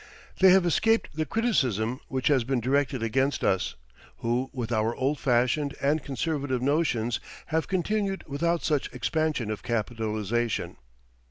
They have escaped the criticism which has been directed against us, who with our old fashioned and conservative notions have continued without such expansion of capitalization.